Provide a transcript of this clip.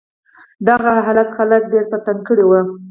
دغه حالت خلک ډېر په تنګ کړي و.